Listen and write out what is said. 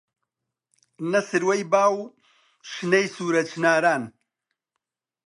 نە سروەی با و شنەی سوورە چناران